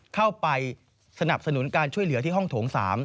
เข้าไปสนับสนุนการช่วยเหลือที่ห้องโถง๓